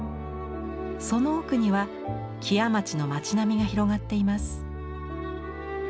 その奥には木屋町の町並みが広がっています。